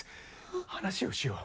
話をしよう。